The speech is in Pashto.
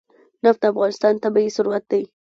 نفت د افغانستان طبعي ثروت دی.